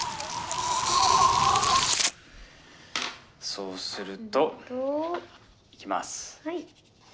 そうするといきます。